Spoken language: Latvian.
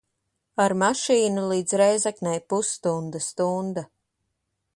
Ar mašīnu līdz Rēzeknei pusstunda, stunda.